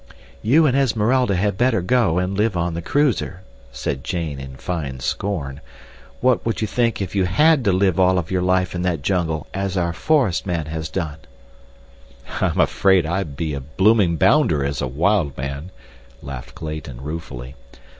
"You and Esmeralda had better go and live on the cruiser," said Jane, in fine scorn. "What would you think if you HAD to live all of your life in that jungle as our forest man has done?" "I'm afraid I'd be a blooming bounder as a wild man," laughed Clayton, ruefully.